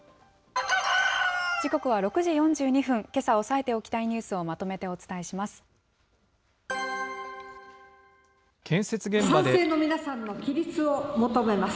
時刻は６時４２分、けさ押さえておきたいニュースをまとめてお伝えします。